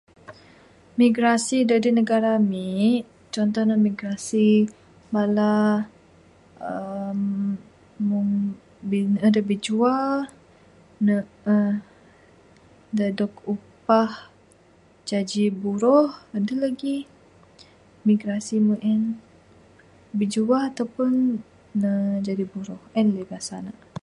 Migrasi da adeh da negara ami, contoh ne migrasi bala eee bin ... adep bijua ne eee ne dog upah jaji buroh adeh lagi. Migrasi meng en bijuah ataupun ne jadi penjuah, en pibasa ne.